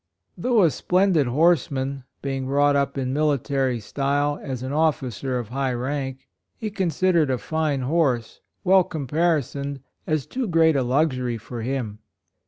HOUGH a splendid horseman — being brought up in military style, as an officer of high rank — he considered a fine horse, well caparisoned, as too great a luxury for him.